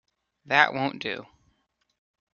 That won't do.